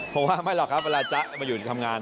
ผมว่าไม่หรอกครับเวลาจ๊ะมาอยู่ทำงาน